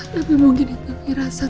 tapi mungkin itu irasan